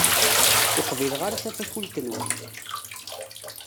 Ur qbileɣ ara tafakult-nwent.